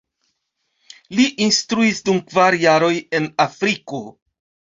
Li instruis dum kvar jaroj en Afriko.